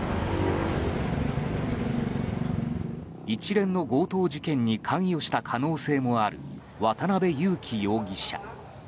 一連の強盗事件に関与した可能性もある渡邉優樹容疑者。